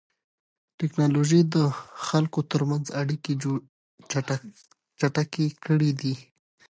تکنالوژي د خلکو ترمنځ اړیکې چټکې کړې دي.